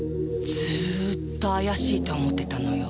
ずっと怪しいと思ってたのよ。